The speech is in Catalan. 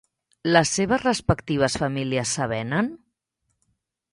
Les seves respectives famílies s'avenen?